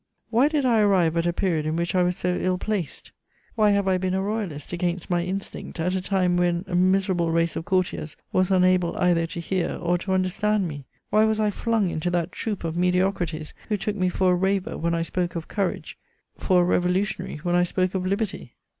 Why did I arrive at a period in which I was so ill placed? Why have I been a Royalist against my instinct, at a time when a miserable race of courtiers was unable either to hear or to understand me? Why was I flung into that troop of mediocrities, who took me for a raver when I spoke of courage, for a revolutionary when I spoke of liberty?